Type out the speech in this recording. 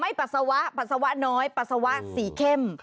ปัสสาวะปัสสาวะน้อยปัสสาวะสีเข้ม